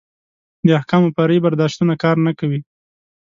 د احکامو فرعي برداشتونه کار نه کوي.